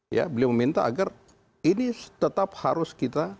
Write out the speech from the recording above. ya beliau meminta agar ini tetap harus kita